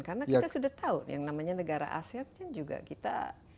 karena kita sudah tahu yang namanya negara asean kan juga kita